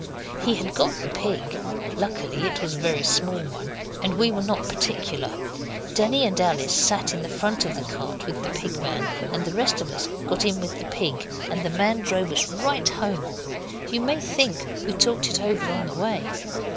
He had got the pig; luckily it was a very small one and we were not particular. Denny and Alice sat on the front of the cart with the Pig man, and the rest of us got in with the pig, and the man drove us right home. You may think we talked it over on the way.